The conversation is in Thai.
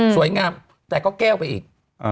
สวยงามแต่ก็แก้วไปอีก